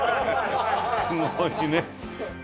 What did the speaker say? すごいね。